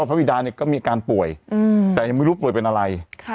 ภาพวิดานี่ก็มีการป่วยแต่ไม่รู้ป่วยเป็นอะไร